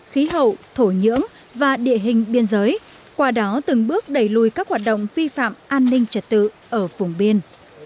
khí hậu thổ nhưỡng và địa hình biên giới qua đó từng bước đẩy lùi các hoạt động vi phạm an ninh trật tự ở vùng biên